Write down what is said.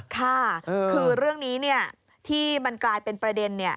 ค่ะคือเรื่องนี้ที่มันกลายเป็นประเด็น